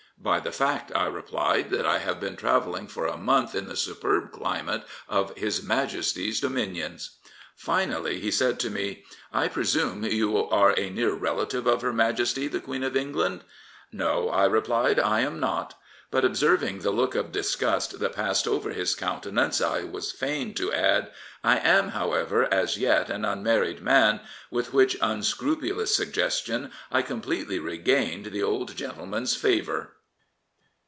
" By the fact," I replied, " that I have been travelling for a month in the superb climate of his 223 Prophets, Priests, and Kings Majesty's dominions/' Finally he said to me, I presume you are a near relative of her Majesty the Queen of England ?"No/' I replied, " I am not." But observing the look of disgust that passed over his countenance I was fain to add, " I am, however, as yet an unmarried man," with which unscrupulous suggestion I completely regained the old gentleman's favour.